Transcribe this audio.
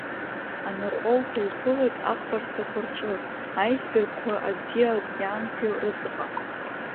Анаҟәоуқәа уԥылоит ахбарсҭақәа рҿы, аисбергқәа аӡи аокеанқәеи рыҵаҟа.